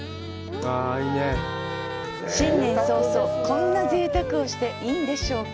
新年早々、こんなぜいたくをしていいんでしょうか。